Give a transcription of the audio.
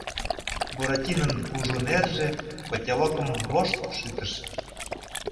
Буратинон кужу нерже котелокым вошт шӱтыш.